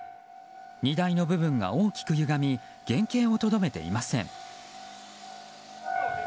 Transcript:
荷台の部分が大きくゆがみ原形をとどめていません。